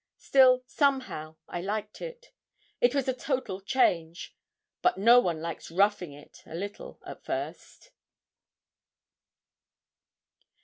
Still, somehow, I liked it. It was a total change; but one likes 'roughing it' a little at first.